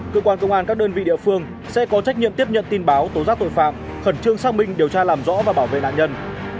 cơ quan công an các đơn vị địa phương sẽ có trách nhiệm tiếp nhận tin báo tố giác tội phạm khẩn trương xác minh điều tra làm rõ và bảo vệ nạn nhân